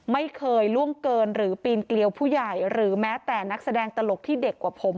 ไม่เคยล่วงเกินหรือปีนเกลียวผู้ใหญ่หรือแม้แต่นักแสดงตลกที่เด็กกว่าผม